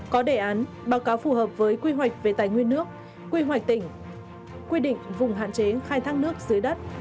có đề án báo cáo phù hợp với quy hoạch về tài nguyên nước quy hoạch tỉnh quy định vùng hạn chế khai thác nước dưới đất